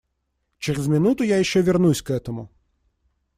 Через минуту я еще вернусь к этому.